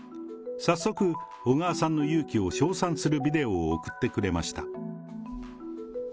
早速、小川さんの勇気を称賛するビデオを送ってくれました。